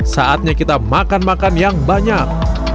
saatnya kita makan makan yang banyak